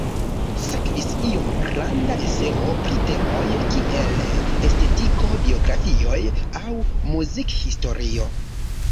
Sekvis iom granda eseo pri temoj kiel estetiko, biografioj aŭ muzikhistorio.